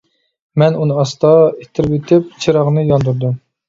مەن ئۇنى ئاستا ئىتتىرىۋېتىپ چىراغنى ياندۇردۇم.